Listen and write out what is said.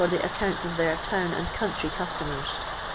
the accounts of their town and country customers.